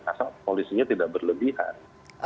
karena polisinya tidak berlebihan